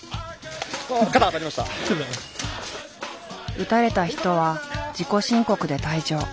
撃たれた人は自己申告で退場。